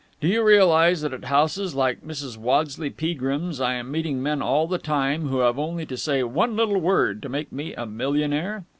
Do you realize that at houses like Mrs. Waddesleigh Peagrim's I am meeting men all the time who have only to say one little word to make me a millionaire?